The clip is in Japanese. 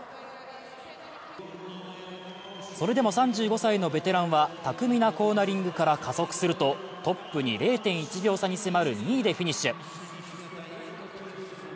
それでも３５歳のベテランは巧みなコーナリングから加速するとトップに０．１秒差に迫る２位でフィニッシュ。